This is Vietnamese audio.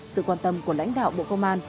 sự quan tâm của lãnh đạo bộ công an